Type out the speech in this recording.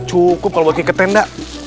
cukup kalau bagi ke tenda